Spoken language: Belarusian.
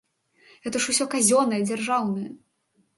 Гэта ж усё казённае, дзяржаўнае!